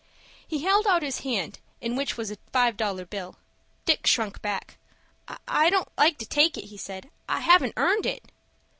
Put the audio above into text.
He held out his hand, in which was a five dollar bill. Dick shrunk back. "I don't like to take it," he said. "I haven't earned it."